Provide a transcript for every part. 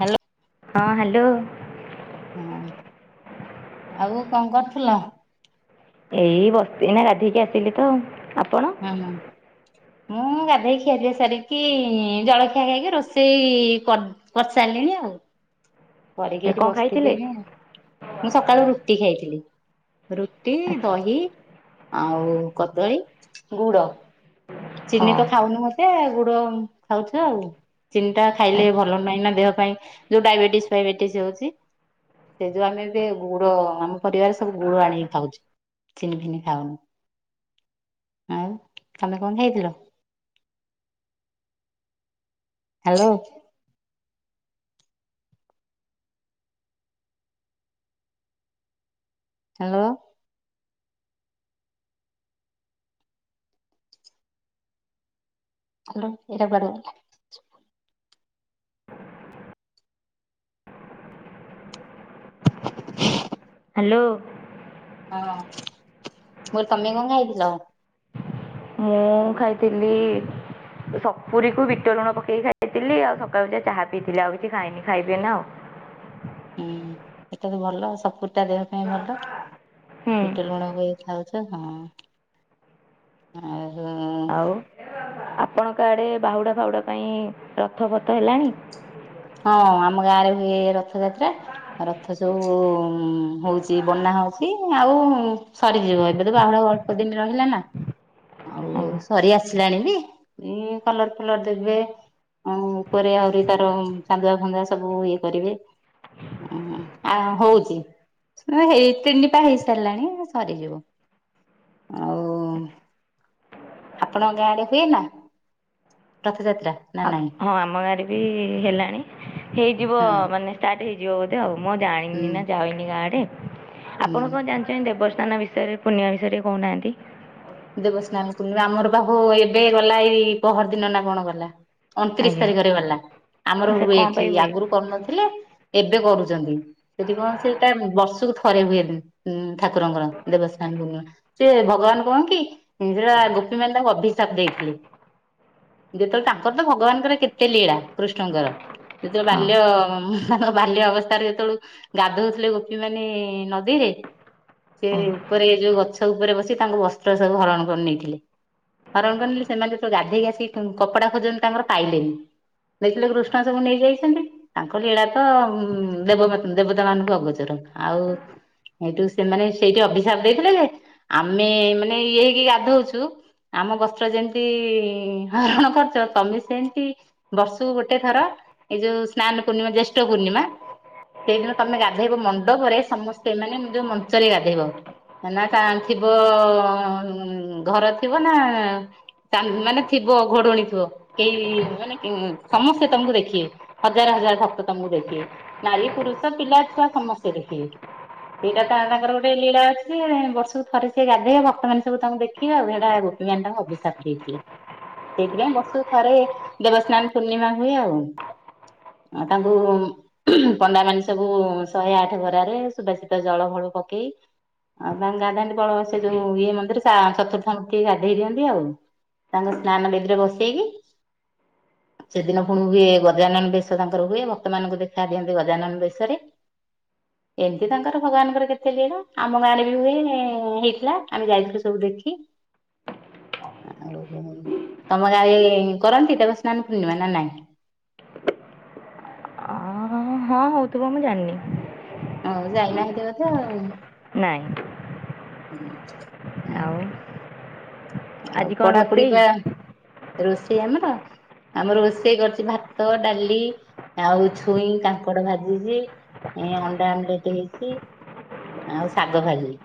Hello ହଁ hello. ହଁ ଆଉ କଣ କରୁଥିଲ? ଏଇ ବସିକିନା ଗାଧେଇକି ଆସିଲି ତ, ଆପଣ? ହଁ ହଁ ମୁଁ ଗାଧେଇ ଖିଆପିଆ ସାରିକି ଜଳଖିଆ ଖାଇକି ରୋଷେଇ କରି କରି ସାରିଲିଣି। ୟା ଆଉ। [inaudible] କରିକି ଏଇଠି କ'ଣ ବସିଥିଲି ଖାଇଥିଲେ ଏଇନା, ମୁଁ ସକାଳୁ ରୁଟି ଖାଇଥିଲି। ରୁଟି, ଆଚ୍ଛା ଦହି, ଆଉ କଦଳୀ ଗୁଡ। ଚିନି ହଁ ତ ଖାଉନୁ ମୋଟେ ଗୁ ଖାଉଛ ଆଉ ଚିନି ଟା ଖାଇଲେ ଭଲ ନାହିଁ ନା ଦେହ ପାଇଁ ଯୋଉ ଡାଇବେଟିସ୍ ଫାଇବେଟିସ ଏ ହୋଚି ସେ ଯୋଉ ଆମେ ଏବେ ଗୁଡ ଆମ ପରିବାର ସବୁ ଗୁଡ ଆଣିକି ଖାଉଛୁ। ଚିନି ଫିନି ଖାଉନୁ, ଆଉ ତମେ କଣ ଖାଇଥିଲ? ହ୍ୟାଲୋ। [unintelligible] ହ୍ୟାଲୋ ଏଇଟା କୁଆଡେ ଗଲା? ହ୍ୟାଲୋ। ହଁ ମୁଁ କହିଲି ତମେ କଣ ଖାଇଥିଲ? ମୁଁ ଖାଇଥିଲି ସପୁରୀ କୁ ବିଟ ଲୁଣ ପକେଇକି ଖାଇଥିଲି ଆଉ ସକାଳୁ ଟିକିଏ ଚାହା ପିଇଥିଲି ଆଉ କିଛି ଖାଇନି, ଖାଇବି ଏଇନା ଆଉ। [inaudible] ହୁଁ ସେଟା ତ ଭଲ ସପୁରୀଟା ଦେହ ପାଇଁ ଭଲ ହୁଁ ବିଟ ଲୁଣ ଗୋଳେଇ ଖାଉ ଆଛା ହଁ, ଆଉ ଓହ ଆପଣଙ୍କ ଆଡେ ବାହୁଡା ଫାଉଡା ପାଇଁ ରଥ ଫଥ ହେଲାଣି? ହଁ ଆମ ଗାଁ ରେ ହୁଏ ର ରଥଯାତ୍ରା, ରଥ ସବୁ ହଉଛି ବନା ହଉଛି ଆଉ ସରିଯିବ ଏବେ ତ ବାହୁଡା ଆଉ ଅଳ୍ପ ଦିନ ରହିଲା ନା, ଆଉ ଆଜ୍ଞା। ସରି ଆସି ଲାଣି ବି, ଏଇ କଲର ଫଲର ଦେବେ ଆ ଉପରେ ଆହୁରି ତାର ଚାନ୍ଦୁଆ ଫାନ୍ଦୁଆ ସବୁ ଇଏ କରିବେ, ଆ ହଉଛି। ହେଇ ତିନି ପା ହେଇ ସାରିଲାଣି, ସରିଯିବ। ଆଉ ଆପଣଙ୍କ ଗାଁ ଆଡେ ହୁଏନା, ର ହଁ ଆମ ଗାଁରେ ବି ହେ ହେଲାଣି ହେଇଯିବ ହଁ ମାନେ ଷ୍ଟାର୍ଟ ହେଇଯିବ ବୋଧେ ଆଉ, ମୁଁ ଆଉ ଜାଣିନି ହୁଁ ନା ଯାଇନି ଗାଁ ଆଡେ। ଆପଣ କଣ ହୁଁ ଜାଣିଛନ୍ତି ଦେବସ୍ନାନ ବିଷୟରେ ପୂର୍ଣ୍ଣିମା ବିଷୟରେ କହୁନାହାନ୍ତି। ଦେବସ୍ନାନ ପୂର୍ଣ୍ଣିମା ଆମର ବା ହୋ ଏବେ ଗଲା ଏଇ ପହର ଦିନ ନା କଣ ଗଲା। ଅଣତିରିଶ ଆଜ୍ଞା। ତାରିଖରେ ଗଲା, ଆମର ସେ ହୁଏ କଣ ଏଠି ପାଇଁ ହୁଏ ଆଗରୁ କରୁନଥିଲେ ଏବେ କରୁଛନ୍ତି। ସେଠି କଣ ସେଟା ବର୍ଷକୁ ଥରେ ହୁଏ, ଠାକୁରଙ୍କର ଦେବସ୍ନାନ ପୂର୍ଣ୍ଣିମା। ସେ ଭଗବାନ କଣ୍ କି ହିଞ୍ଜୁଳା ଗୋପୀ ମାନେ ତାଙ୍କୁ ଅଭି ସାପ ଦେଇଥିଲେ, ଯେତେବେଳେ ତାଙ୍କର ତ ଭଗବାନଙ୍କର କେତେ ଲୀଳା କୃଷ୍ଣଙ୍କର ସେ ଯୋଉ ହଁ ବାଲ୍ୟ ବାଲ୍ୟ ଅବସ୍ଥାରେ ଯେତେବେଳେ ଗାଧୋଉଥିଲେ ଗୋପୀ ମାନେ ନଦୀରେ ସେ ହଁ। ଉପରେ ଯୋଉ ଗଛ ଉପରେ ବସି ତାଙ୍କୁ ବସ୍ତ୍ର ସବୁ ହରଣ କରି ନେଇଥିଲେ। ହରଣ କଲି ସେମାନେ ଯେତେ ଗାଧେଇ ଆସି କପଡା ଖୋଜନ୍ତି ତାଙ୍କର ପାଇଲେନି। ଦେଇଥିଲେ କୃଷ୍ଣ ସବୁ ନେଇଯାଇଛନ୍ତି ତାଙ୍କ ଲୀଳା ତ ଉ ଦେ ଦେବତା ମାନଙ୍କୁ ଅଗଚର। ଆଉ ଏଇଠୁ ସେମାନେ ସେଇଠି ଅଭିଶାପ ଦେଇଥିଲେ ଯେ ଆମେ ମା ମାନେ ଏଇଠି ଗାଧଉଛୁ ଆମ ବସ୍ତ୍ର ଯେମିତି ହରଣ କରୁଛ ତମେ ସେମିତି। ବର୍ଷକୁ ଗୋଟେ ଥର ଏଇ ଯୋଉ ସ୍ନାନ ପୂର୍ଣ୍ଣିମା ଜେଷ୍ଠ ପୂର୍ଣ୍ଣିମା। ସେଇଦିନ ତମେ ଗାଧେଇବ ମଣ୍ଡପରେ ସମସ୍ତେ ମାନେ ଯୋଉ ମଞ୍ଚରେ ଗାଧେଇବ। ନା ତା ଙ୍କ ଥିବ ଘର ଥିବ ନା। ମାନେ ଥିବ ଘୋଡଣି ଥିବ କେହି ମାନେ ସମସ୍ତେ ତମକୁ ଦେଖିବେ ହଜାର ହ ଭକ୍ତ ତମୁକୁ ଦେଖି ବେ ନାରୀ ପୁରୁଷ ପିଲା ଛୁଆ ସମସ୍ତେ ଦେଖିବେ। ସେଇଟା ତ ତାଙ୍କର ଗୋଟେ ଲୀଳା ଅଛି ବର୍ଷକୁ ଥରେ ସିଏ ଗାଧୋଇବେ ଭ ସେମାନେ ସବୁ ତାଙ୍କୁ ଦେଖିବେ ହେଟା ଗୋପୀ ତାଙ୍କୁ ଅଭିଶାପ ଦେଇଥିଲେ। ସେଇଥି ପାଇଁ ବର୍ଷ କୁ ଥରେ ଦେବସ୍ନାନ ପୂର୍ଣ୍ଣିମା ହୁଏ ଆଉ। ତାଙ୍କୁ ପଣ୍ଡା ମାନେ ସବୁ ଶହେ ଆଠ ଘରାରେ ସୁବାଶିତ ଜଳ ଭ ପକେଇ ଆଉ ତାଙ୍କୁ ଗାଧାନ୍ତି ବଳ ସେ ଯୋଉ। ଇଏ ମନ୍ଦିରେ ସା ଚତୁର୍ଥା ମୂର୍ତି ଗାଧେଇ ଦିଅନ୍ତି ଆଉ। ତାଙ୍କ ସ୍ନାନ ବେଦୀରେ ବସେଇକି। [inaudible] ସେଦିନ ପୁଣି ହୁଏ ଗଜାନନ ବେଶ ତାଙ୍କର ହୁଏ ଭକ୍ତମାନଙ୍କୁ ଦେଖା ଦିଅନ୍ତି ଗଜାନନ ଭେଶରେ। ଏମିତି ତାଙ୍କର ଭଗବାନଙ୍କର କେତେ ଲୀଳା ଆମ ଗାଁରେ ବି ହୁଏ ହେଇଥିଲା। ଆମେ ଯାଇଥିଲୁ ସବୁ ଦେଖି। ତମ ଗାଁ ରେ କରନ୍ତି ଦେବ ସ୍ନାନ ପୂର୍ଣ୍ଣିମା ନା ନାଇଁ। ଅ ହଁ ହଉଥିବ ମୁଁ ଜାଣିନି। ହଉ ଯାଇ ନାହି କେବେ ତ ଆଉ ନାଇଁ ହୁଁ। ଆଉ। ଆଉ ଆଜି କଣ ପଢାପଢି ରୋଷେଇ ବା ରୋଷେଇ ଆମର। ଆମର ରୋଷେଇ କରିଛି ଭାତ ଡାଲି ଆଉ ଛୁଇଁ କାଙ୍କଡ ଭାଜିଛି। ଏ ଅଣ୍ଡା ଆମଲେଟ ହେଇଛି ଆଉ ଶାଗ ଭାଜିଲି।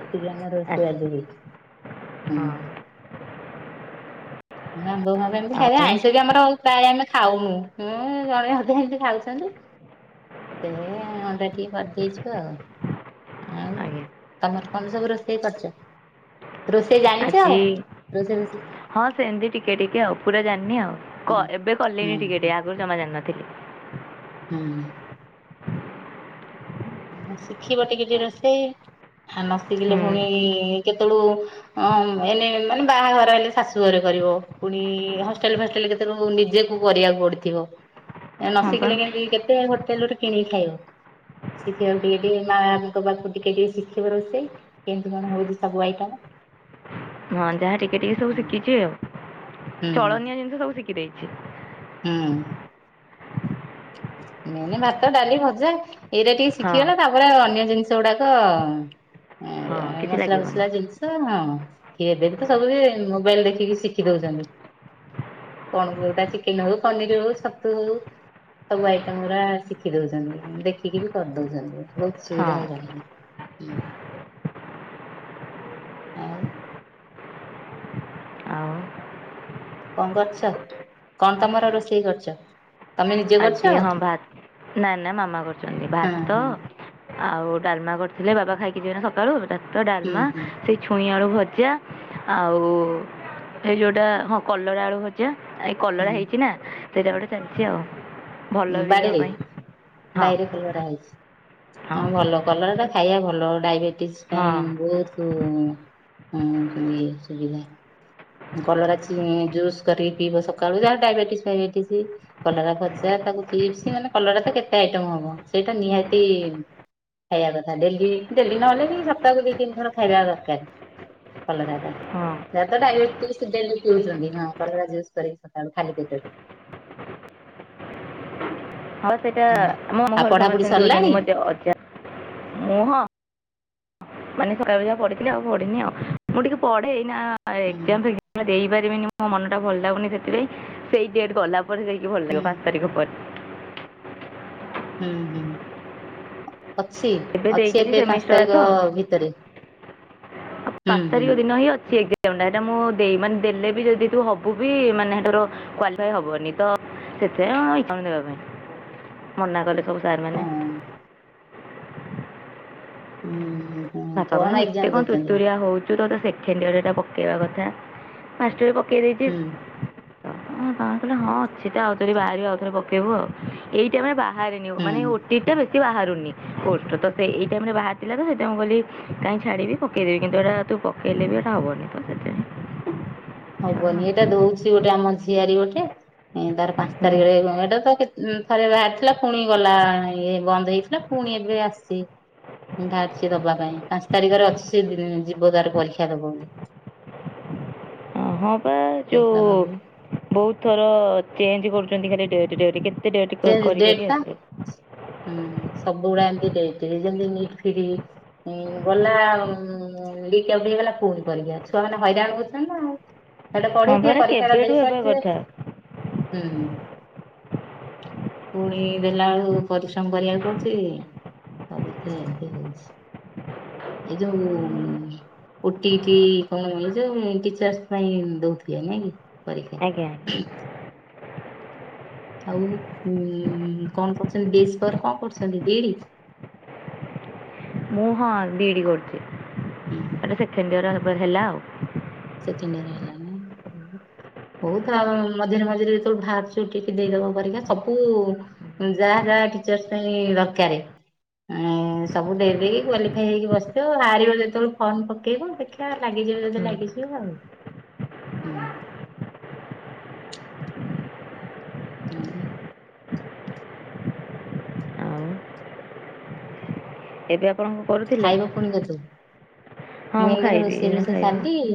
ଏତିକି ଆମ ରୋଷେଇ ଆଚ୍ଛା ଆଜି ହେଇଚି ହୁଁ। ହଁ ଆଉ ଆମ୍ବ ଫାମ୍ବ ଏମିତି ଖାଇବେ ଆଉ ଆଇଁଷ ବି ଆମର ପ୍ରାୟ ଆମେ ଖାଉନୁ ହୁଁ ଜଣେ ଅଧେ ଏମିତି ଖାଉଛନ୍ତି। [unintelligible] ଏ ଅଣ୍ଡା ଟିକେ କରିଦେଇଛୁ ଆଉ। ଆଉ ଆଜ୍ଞା ତମର କଣ ସବୁ ରୋଷେଇ କରିଚ ରୋ ରୋଷେଇ ଜାଣିଛ ଆଜି ରୋଷେଇ ଫୋଷେଇ। ହଁ ସେମିତି ଟିକେ ଟିକେ ଆଉ ପୁରା ଜାଣିନି ଆଉ କ ହୁଁ ଏବେ ହୁଁ କଲିନି ଟିକେ ଟିକେ ଆଗରୁ ଜମା ଜାଣିନଥିଲି। ହୁଁ। ଓ ହଁ ଶିଖିବ ଟିକେ ଟିକେ ରୋଷେଇ। ଆ ନସିଖିଲେ ହୁଁ। ପୁଣି କେତେବେଳୁ ଅ ଏନେ ମାନେ ବାହାଘର ହେଲେ ଶାଶୁ ଘରେ କ ରିବ ପୁଣି ହଷ୍ଟେଲ ଫଷ୍ଟେଲ କେତେ ରୁ ନିଜେକୁ କରିବାକୁ ପଡିଥିବ। [unintelligible] ନସିଖିଲେ କେମିତି କେତେ ହୋଟେଲୁ ରୁ କିଣିକି ଖାଇବ। ଶିଖିବାକୁ ଟିକେ ଟିକେ ମାଙ୍କ ପାଖୁ ଟିକେ ଟିକେ ଶିଖିବ ରୋଷେଇ କେମତି କଣ ହଉଛି ସବୁ ଆଇଟମ। ହଁ ଯାହା ଟିକେ ଟିକେ ସବୁ ଶିଖିଛି ଆଉ ହୁଁ ଚଳନିଅ ଜିନିଷ ସବୁ ଶିଖି ଦେଇଛି। ହୁଁ। ମେନ୍ ଭାତ ଡାଲି ଭଜା ଏଇଟା ଟିକେ ହଁ ଶିଖିଗଲେ ତାପରେ ଅ ନ୍ୟ ଜିନିଷ ଗୁଡାକ ଏ ହଁ ଏ କିଛି ମସଲା ଲାଗିବନି ଫସଲା ଜିନିଷ ହଁ। କି ଏବେ ବି ତ ସବୁ ବି ମୋବାଇଲ ଦେଖିକି ଶିଖି ଦଉଛନ୍ତି। କଣ କଉଟା ଚିକେନ ହଉ ପନିର ହଉ ଛତୁ ହଉ। ସବୁ ଆଇଟମ ଗୁରା ଶିଖି ଦଉଛନ୍ତି ଦେଖିକି ବି କରି ଦଉଛନ୍ତି ବହୁତ ହଁ ସୁବିଧା ହେଇଗଲାଣି। ହୁଁ ଆଉ। ଆଉ କଣ କରୁଛ କଣ ତମର ରୋଷେଇ କରୁଛ। ଆଜି ହଁ ଭାତ ନା ନା ମାମା କରିଛନ୍ତି ହଁ ଭାତ। ହଁ ଆଉ ଡାଲମା କରିଥିଲେ ବାବା ଖାଇକି ଯିବେନା ସକାଳୁ ତା ହୁଁ ଡାଲମା ହୁଁ ସେଇ ଛୁଇଁ ଆଳୁ ଭ ଭଜା ଆଉ ଏଇ ଯୋଉଟା ହଁ କଲରା ଆଳୁ ଭଜା। ଏଇ କଲରା ହେଇଛି ନା ସେଇଟା ଗୋଟେ ଚାଲିଛି ଆଉ। ଭଲ ବି ଦେହ ବାଡ଼ିରେ ପାଇଁ ହଁ ବାଇରେ କଲରା ହେଇଚି। ହଁ ଭଲ କଲରା ଟା ଖାଇବା ଭଲ ଡାଇବେଟିସ ପାଇଁ ହଁ ବହୁତ ହଁ ଏ ସୁବିଧା। କଲରା ଜୁସ୍ କରିକି ପିଇବ ସକାଳୁ ଯାହା ଡାଇବେଟିସ୍ ଫାଇବେଟିସ କଲରା ଭଜା। ତାକୁ ଚିପ୍ ମାନେ କଲରା ତ କେତେ ଆଇଟମ ହବ ସେଇଟା ନିହାତି ଖାଇବା କଥା ଡେ ଡେଲି ନହେଲେ ବି ସପ୍ତାହକୁ ଦି ତିନି ଥର ଖାଇବା ଦରକାର। କଲରା ଟା ହଁ ସେରା ତ ଡାଇବେ [unintelligible] ଉଛନ୍ତିୁ ହଁ କଲରା ଜୁସ କରି ଖାଲି ପେଟରେ। [unintelligible] ହଁ ସେଇଟା ହଁ। ମୋ ଆଉ ଘରେ ପଢାପଢି ସମସ୍ତେ ସେମତି ସରିଲାଣି ହଉଛନ୍ତି ମତେ ଅଜା ମୁ ହଁ ମାନେ ସକା ବା ପଢି ଆଉ ପଢିନି ଆଉ ମୁଁ ଟିକେ ପଢେ ଏଇନା ହୁଁ ଏକ୍ଜାମ ବିନି ମୋ ମନ ଟା ଭଲ ଲାଗୁନି ସେଥିପାଇଁ ସେଇ ଡେଟ ଗଲା ପରେ ଯାଇକି ଭଲ ହୁଁ ଲାଗିବ ପାଞ୍ଚ ତାରିଖ ପରେ। ହୁଁ ହୁଁ। ଅଛି ଅଛି ଦେଇଛି ଏବେ ପାଞ୍ଚ ସେମିଷ୍ଟର ତ ତାରିଖ ଭିତରେ ଆଉ ହୁଁ ପାଞ୍ଚ ହୁଁ। ତାରିଖ ଦିନ ହିଁ ଅଛି ଏଗଜାମତାରେ। ସେଟା ମୁଁ ଦେଇ ମାନେ ଦେଲେ ବି ଯଦି ତୁ ହବୁ ବି ମାନେ ତର କ୍ଵାଲିଫାଇ ହବନି ତ ସେଥି ହଣ ଦେବା ପାଇଁ ମନା କଲେ ସବୁ। ସାର୍ମାନେ ହଁ ହୁଁ। ବାପା କହୁଛନ୍ତି ଏତେ କଣ ତୁତୁରିଆ ହଉଛୁ ତ ସେ ଖେଣ୍ଡିଆଡ ଟା ପକେଇବା କଥା ମାଞ୍ଷ୍ଟରେ ପକେଇ ଦେଇଚି। ହୁଁ। କଣ କହିଲେ ହଁ ଅଛି ତ ଆଉଥ ବାହାରି ଆଉ ଥରେ ପକେଇବୁ ଆଉ ଏଇଟା ମାନେ ବା ରୁନି ମାନେ ଓ ହୁଁ ଟି ଇ ଟି ଟା ବେଶୀ ବାହାରୁନି ତ ସେ ଏଇ ଟାଇମ ରେ ବାହାର ଥିଲା ତ ସେଥିପାଈ ମୁଁ କହିଲି କାଇହିଁ ଛାଡିବି ପକେଇଦେବି କିନ୍ତୁ ଏଇଟା ତୁ ପକେଇଲେ ବି ଏଟା ହବନି ତ ସେଥିପାଇଁ ଛାଡ଼ ଆଉ। ହବନି ଏଇଟା ଦଉଚି ଗୋଟେ ଆମ ଝିଆରି ଗୋଟେ ତାର ପାଞ୍ଚ ତାରିଖରେ ଏଟା ତ ଥରେ ବାହାରିଥିଲା ପୁଣି ଗଲା ଇଏ ବନ୍ଦ ହେଇଥିଲା ପୁଣି ଏବେ ଆସିଚି। ବାହାରିଛି ଦବା ପାଇଁ ପାଞ୍ଚ ତାରିଖରେ ଅଛି ସେ ଯିବ ତାର ପରୀକ୍ଷା ଦବ ବୋଲି। [unintelligible] ହଁ ପା ଯଉ କହୁଥିଲା ଦବ ବହୁତ ଥର ଚେଞ୍ଜ କରୁଚନ୍ତି ଖାଲି ଡେଟ ଡେଟ। ଚେଞ୍ଜ ଡେଟଟା ହୁଁ। ସବୁ ଗୁଡା ଏମତି ଦେଇଥିଲି ଯେମିତି ନିଟ ଫିଟ। ଗଲା ଲିକ ଆଉଟ ହେଇଗଲା ପୁଣି ପରୀକ୍ଷା ଛୁଆମାନେ ହଇରାଣ ହୋଉଛନ୍ତି ନା ସେଟା ହଁ ପଢିଥିବେ ପରା ପରୀକ୍ଷା ଟା କେବେଠୁ ଦେଇ ହେବା ସାରିଥିବେ କଥା ହୁଁ, ପୁଣି ଦେଲା ବେଳୁ ପରିଶ୍ରମ କରିବାକୁ ପଡୁଛି। ସବୁଥିରେ ଏମତି ହଉଛି ଏ ଯୋଉ ଓ, ଟି, ଇ, ଟି କଣ ଉଣିଶିରେ ଟିଚର୍ସ ପାଇଁ ଦଉଥିବେ ନାଇଁ କି। ଆଜ୍ଞା ପରୀକ୍ଷା। ଆଉ ଉ କଣ କରୁଛନ୍ତି ବେଶ ପରେ କଣ କରୁଛନ୍ତି ବିଇଡି। [unintelligible] ମୁଁ ହଁ ବିଇଡି କରୁଛି ହୁଁ ଏଟା ସେକେଣ୍ଡ ୟଆର ହେଲା ଆଉ। ସେକେଣ୍ଡ ୟର ହେଲା ନାଇଁ। ହଉ ଆ ମଝିରେ ମଝିରେ ଯେତେଳୁ ଭାରୁଚି ଟିକି ଦେଇଦବା ପରିକ୍ଷା ସବୁ ଯାହା ଯାହା ଟିଚର୍ସ ପାଇଁ ଦରକାର। ଏଁ ସବୁ ଦେଇଦେଇକି କ୍ୱାଲିଫାଇ ହେଇକି ବସିଥିବ ଆ ହାରିବ ଯେତେବେଳେ ଫର୍ମ ପକେଇବ ଦେଖିବା ଲାଗିବ। ବତେ ହୁଁ ଲାଗିଯିବ ଆଉ ହୁ। ହୁଁ ଆଉ ଏବେ। ଆପଣଙ୍କ କରୁଥିଲେ ଖାଇବା ପୁଣି କେ ତୁ? ହଁ ମୁଁ ଏମିତି ଖାଇବି ରୋଷେଇ ଏଇନା ରୋଷେଇ ଖାଇବି ସାରିଦେଇକି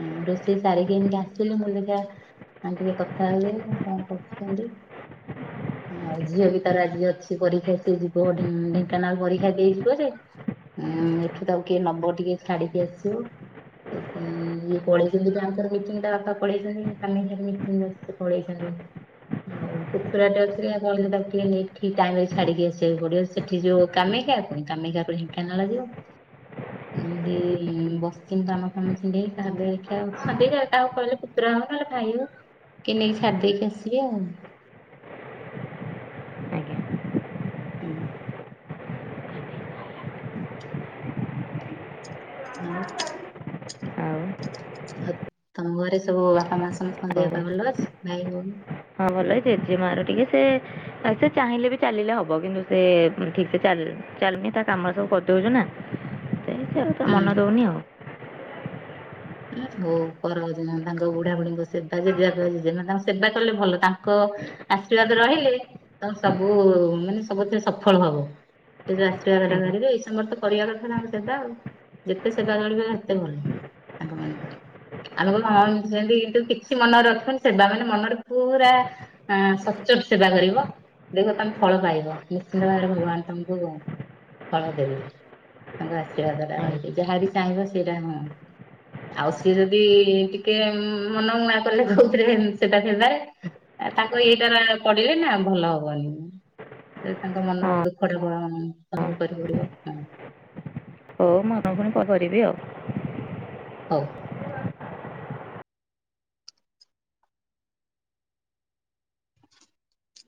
ହୁଁ ରୋଷେଇ ସାରିକି ଏମିତି ଆସିଥିଲି ମୁଁ ଦେଖିଆ ଆ ଟିକେ କଥା ହେଇଯାଏ କଣ କରୁଛନ୍ତି? ଆଉ ଝିଅ ବି ତାର ଆଜି ଅଛି ପରୀକ୍ଷା ସିଏ ଯିବ ଢେଙ୍କାନାଳ ପରୀକ୍ଷା ଦେଇଯିବ ଯେ ଉଁ ଏଠୁ ତାକୁ କିଏ ନବ ଟିକେ ଛାଡିକି ଆସିବ। ସେଥିପାଇଁ ଇଏ ପଳେଇଛନ୍ତି ତ ଆଙ୍କର ମିଟିଂ ଟା ତା ବାପା ପଳେଇଛନ୍ତି [unintelligible] ମିଟିଂ ଅଛି ସେ ପଳେଇଛନ୍ତି। [inaudible] ଆଉ କୁକୁୁର ଟାଏ ଅଛି କଣକୁ ଟିକେ ନେଇକି ଠିକ ଟାଇମ ରେ ଛାଡିକି ଆସିବାକୁ ପଡିବ ସେଠି ଯୋଉ କାମି କୁ କାମୀ କାକୁ ପୁଣି ଢେଙ୍କାନାଳ ଯିବ। [inaudible] [unintelligible] ଖାଇବ କି ନେଇ ଛାଡି ଦେଇେଇକି ଆସିବେ ଆଉ। [inaudible] ଉ। ଆଉ। ଆଉ ଆଉ ତମ ଘରେ ସବୁ ବାପା ମା ସମସ୍ତଙ୍କ ଆପଣ ଦେହ କୁହନ୍ତୁ ପାହ ଭଲଅଛି ଭାଇ ଭଉଣୀ? ହଁ ଭଲଇ ଜେଜେ ମା ର ଟିକେ ସେ ଆସେ ଚାହିଁଲେ ବି ଚାଲିଲେ ହବ କିନ୍ତୁ ସେ ଠିକ ସେ ଚା ଚାଲମି ତା କାମରେ ସବୁ କରିଦଉଚୁ ନା, ସେମିତି ତ ହୁଁ ମନ ରହୁନି ଆଉ। ନା ହଉ [unintelligible] ତାଙ୍କ ବୁଢା ବୁଢୀଙ୍କ ସେବା ଯଦି [unintelligible] ସେବା କଲେ ଭଲ ତାଙ୍କ ଆଶୀର୍ବାଦ ରହିଲେ ତମ ସବୁ ମାନେ ସବୁଥିରେ ସଫଳ ହବ। ସେ ଯଉ ଆଶୀର୍ବାଦଟା ଆଜ୍ଞା ନେଲି ଯେ ଏଇସମୟରେ ତ କରିବା କଥା ସେବା ଆଉ। ଯେତେ ସେବା କରିବେ ଏତେ ଭଲ ତାଙ୍କ ମାନଙ୍କର। [unintelligible] କିଛି ମନରେ ରଖ ସେବା କଲେ ନା ମନରେ ପୁରା ଆ ସଚ ସେବା କରିବ ଦେଖ ତମ୍ ଫଳ ପାଇବ ନିଶ୍ଚିନ୍ତ ଭାବରେ ଭଗବାନ ତମକୁ ଫଳ ଦେଲି ତାଙ୍କ ଆଶୀର୍ବାଦ ଟା ଆଜ୍ଞା ରହିକି ଯାହାବି ଚାହିଁବ ସେଇଟା ହ ଆଉ ସିଏ ଯଦି ଟିକେ ମନ ମୁଆ କଲେ କୋଉଥିରେ ସେଟା ସେଦାଏ ଆ ତାକୁ ଏଇଟାରା ପଢିଲେ ନା ଭଲ ହବନି। ତାଙ୍କ ହଁ ମନ ଦୁଃଖ ଟା ଅନୁଭବ କରି ପଡିବ ହଁ। ଓଉ [unintelligible] ପୁଣି କଣ କରିବି ଆଉ। ହଉ।